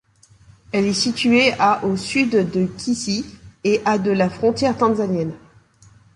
Elle est située à au sud de Kisii et à de la frontière tanzanienne.